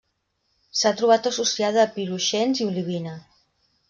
S'ha trobat associada a piroxens i olivina.